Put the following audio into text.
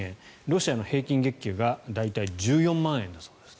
ロシアの平均月給が大体１４万円だそうです。